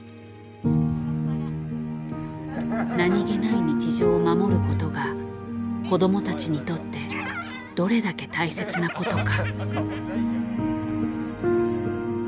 何気ない日常を守ることが子どもたちにとってどれだけ大切なことか。